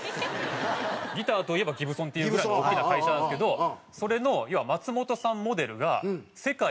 ギターといえばギブソンっていうぐらいの大きな会社なんですけどそれの要は松本さんモデルが。